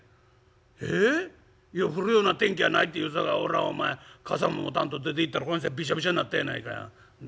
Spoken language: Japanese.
「ええ？いや降るような天気やないって言うさかい俺はお前傘も持たんと出ていったらびしょびしょになったやないかいな」。